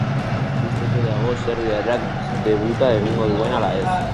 Ikusteke dago serbiarrak debuta egingo duen ala ez.